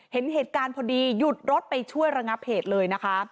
เห็นเหตุการณ์พอดีหยุดรถไปช่วยระงับเหตุเลยนะคะ